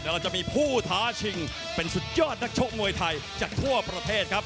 เราจะมีผู้ท้าชิงเป็นสุดยอดนักชกมวยไทยจากทั่วประเทศครับ